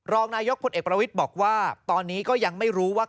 รองนายกพลเอกประวิทย์บอกว่าตอนนี้ก็ยังไม่รู้ว่า